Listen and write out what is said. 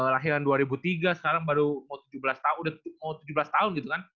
lahiran dua ribu tiga sekarang baru mau tujuh belas tahun gitu kan